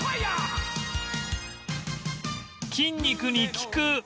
筋肉に効く！